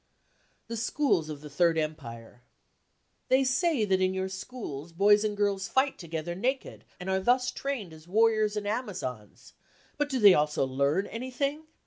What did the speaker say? The Schools of the "Third Empire." " e They say that in your schools boys and girls fight to gether naked and are thus trained as warriors and Amazons. But do they also learn anything